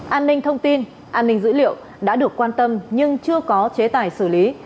an ninh thông tin an ninh dữ liệu đã được quan tâm nhưng chưa có chế tài xử lý